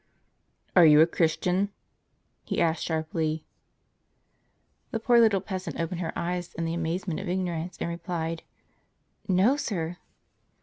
''Are you a Christian? " he asked her sharply. The poor little peasant opened her eyes in the amazement of ignorance, and replied: "No, sir."